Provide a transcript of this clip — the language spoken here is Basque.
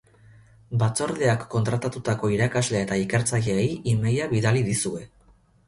Batzordeak kontratatutako irakasle eta ikertzaileei emaila bidali dizue.